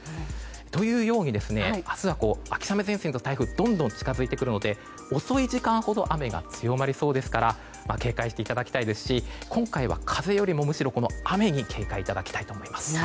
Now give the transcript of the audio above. というように明日は秋雨前線と台風がどんどん近づいてくるので遅い時間ほど雨が強まりそうですから警戒していただきたいですし今回は風よりも、むしろ雨に警戒いただきたいと思います。